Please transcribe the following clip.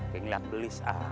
tingin liat belis aja